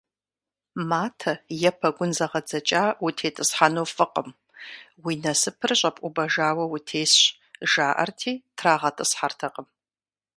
Матэ е пэгун зэгъэдзэкӀа утетӀысхьэну фӀыкъым, уи насыпыр щӀэпӀубэжауэ утесщ, жаӀэрти трагъэтӀысхьэртэкъым.